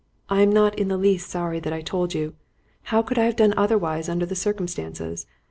I am not in the least sorry that I told you. How could I have done otherwise under the circumstances?